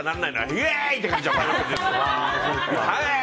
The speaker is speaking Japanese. イエーイ！って感じじゃん。